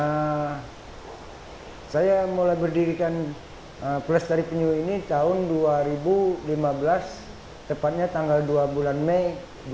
nah saya mulai berdirikan pelestari penyu ini tahun dua ribu lima belas tepatnya tanggal dua bulan mei dua ribu dua puluh